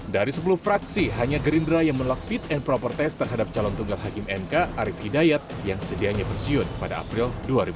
dari sepuluh fraksi hanya gerindra yang menolak fit and proper test terhadap calon tunggal hakim mk arief hidayat yang sedianya pensiun pada april dua ribu dua puluh